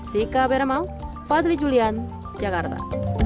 dika beramau fadli julian jakarta